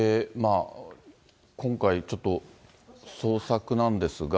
今回、ちょっと捜索なんですが。